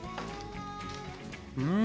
うん！